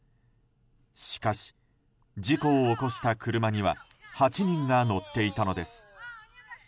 しかし、事故を起こした車には８人が乗っていたのです。